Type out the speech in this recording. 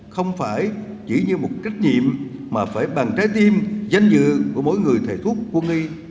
không phải chỉ như một trách nhiệm mà phải bằng trái tim danh dự của mỗi người thầy thuốc quân y